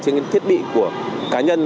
trên thiết bị của cá nhân